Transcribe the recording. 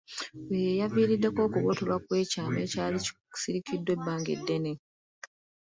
Oyo ye yaviirako okubotolwa kw’ekyama ekyali kisirikiddwa ebbanga eddene.